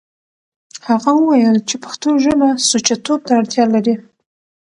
هغه وويل چې پښتو ژبه سوچه توب ته اړتيا لري.